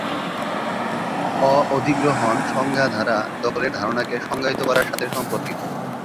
অ-অধিগ্রহণ, সংজ্ঞা দ্বারা, দখলের ধারণাকে সংজ্ঞায়িত করার সাথে সম্পর্কিত।